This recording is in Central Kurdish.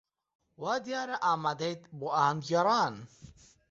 وا دیارە ئامادەیت بۆ ئاهەنگگێڕان.